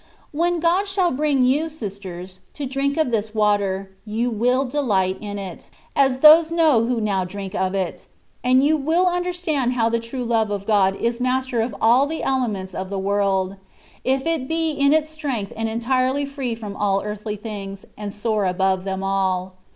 When God shall bring you, sisters, to drink of this water, you will delight in it (as those know who now drink of it), and you will understand how the true love of God is master of all the elements of the world, if it be in its strength and entirely free from all earthly things, and soar above them all.